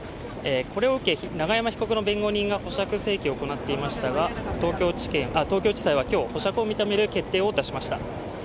これを受け、永山被告の弁護人が保釈請求を行っていましたが東京地裁は今日、保釈を認める決定を出しました。